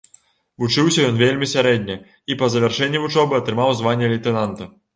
Вучыўся ён вельмі сярэдне, і па завяршэнні вучобы атрымаў званне лейтэнанта.